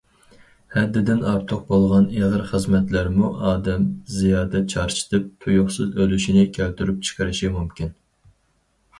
ھەددىدىن ئارتۇق بولغان ئېغىر خىزمەتلەرمۇ ئادەم زىيادە چارچىتىپ تۇيۇقسىز ئۆلۈشىنى كەلتۈرۈپ چىقىرىشى مۇمكىن.